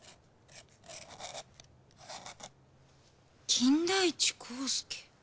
金田一耕助